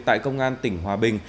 tại công an tỉnh hòa bình